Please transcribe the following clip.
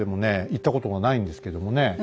行ったことがないんですけどもね